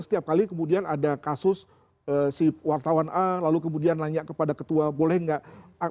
setiap kali kemudian ada kasus si wartawan a lalu kemudian nanya kepada ketua boleh nggak